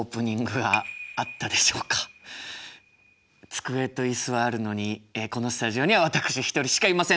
机と椅子はあるのにこのスタジオには私一人しかいません。